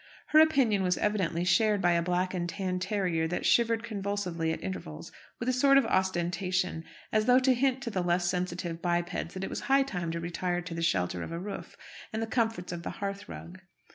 Her opinion was evidently shared by a black and tan terrier that shivered convulsively at intervals with a sort of ostentation, as though to hint to the less sensitive bipeds that it was high time to retire to the shelter of a roof and the comforts of the hearthrug.